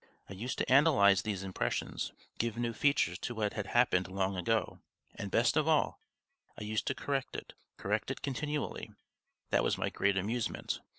I used to analyse these impressions, give new features to what had happened long ago, and best of all, I used to correct it, correct it continually, that was my great amusement.